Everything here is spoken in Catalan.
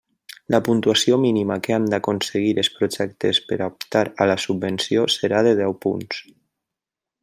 La puntuació mínima que han d'aconseguir els projectes per a optar a la subvenció serà de deu punts.